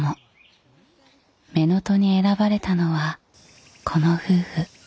乳母父に選ばれたのはこの夫婦。